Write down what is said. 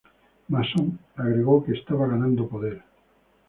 Mason agregó que estaba ganando poder.